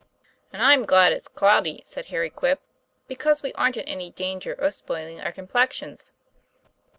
"And I'm glad it's cloudy," said Harry Quip, " because we aren't in any danger of spoiling our complexions."